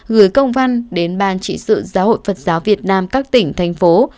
gửi công văn đến ban trị sự giáo hội phật giáo việt nam các tỉnh thành phố